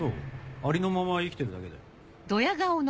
ありのまま生きてるだけだよ。